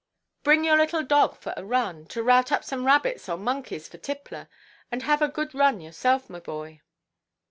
Bring your little dog for a run, to rout up some rabbits or monkeys for Tippler. And have a good run yourself, my boy."